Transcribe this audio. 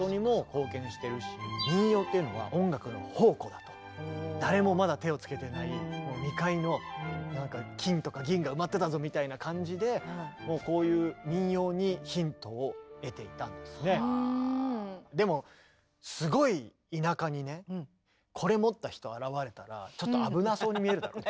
だからこうやってね誰もまだ手をつけてない未開の金とか銀が埋まってたぞみたいな感じででもすごい田舎にねこれ持った人現れたらちょっと危なそうに見えるだろうね。